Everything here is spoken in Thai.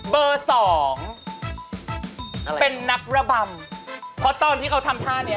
เบอร์สองเป็นนักระบำเพราะตอนที่เขาทำท่าเนี้ย